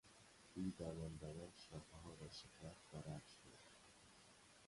او دوان دوان شاخهها را شکست و رد شد.